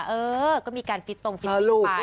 เออก็มีการฟิตตรงฟิตลงไป